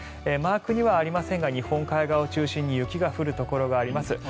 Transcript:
マークにはありませんが日本海側を中心に雪が降るところがあります。